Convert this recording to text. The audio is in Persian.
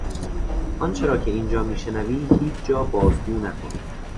آنچه را که اینجا میشنوی هیچجا بازگو نکن.